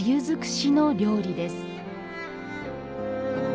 づくしの料理です